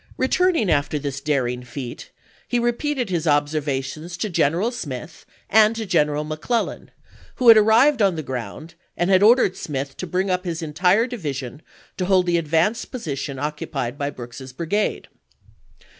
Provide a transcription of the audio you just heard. Returning after this daring feat, he repeated his observations to General Smith and to General Mc Clellan, who had arrived on the ground and had "The'pen ordcrcd Smith to bring up his entire division to "pV' hold the advanced position occupied by Brooks's brigade.